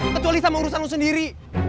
kecuali sama urusan lo sendiri